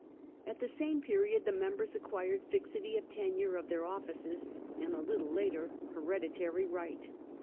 At the same period the members acquired fixity of tenure of their offices, and, a little later, hereditary right.